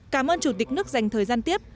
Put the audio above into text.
cảm ơn chủ tịch nước dành thời gian tiếp